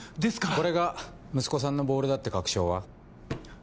これが息子さんのボールだって確証は？